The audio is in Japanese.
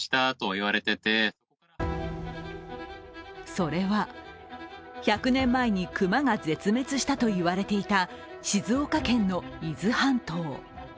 それは、１００年前に熊が絶滅したといわれていた静岡県の伊豆半島。